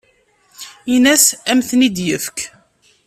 Ini-as ad am-ten-id-yefk.